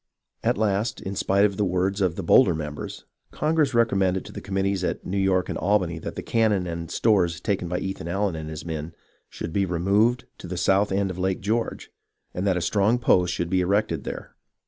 At last, in spite of the words of the bolder members, Congress recommended to the committees at New York and Albany that the cannon and stores taken by Ethan Allen and his men should be removed to the south end of Lake George, and that a strong post should be erected there.